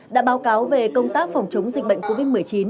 đã báo cáo về công tác phòng chống dịch bệnh covid một mươi chín